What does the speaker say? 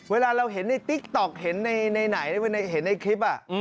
เวลาเราเห็นในติ๊กต๊อกเห็นในไหนเห็นในคลิป